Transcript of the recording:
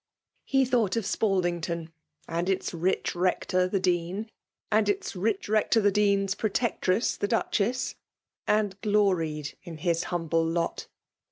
He thought of Spaldingtan, and its ridi vector the dean, and its rich rector the dem ft pEoteotress, the duchess, — aud gloried in his humble lot.